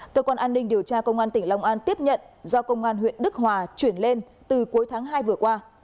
cơ quan an ninh điều tra công an tỉnh long an tiếp nhận do công an huyện đức hòa chuyển lên từ cuối tháng hai vừa qua